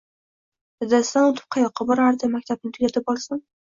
Dadasidan oʻtib qayoqqa borardi, maktabni tugatib olsin